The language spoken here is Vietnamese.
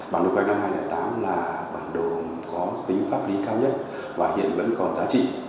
bản đồ khoai năm hai nghìn tám là bản đồ có tính pháp lý cao nhất và hiện vẫn còn giá trị